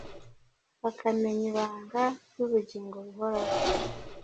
akamenya ibanga ryubugingo buhoraho